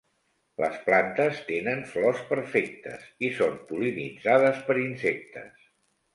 Les plantes tenen flors perfectes i són pol·linitzades per insectes.